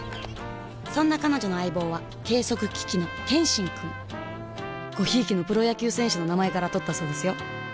そんな彼女の相棒は計測機器の「ケンシン」くんご贔屓のプロ野球選手の名前からとったそうですよ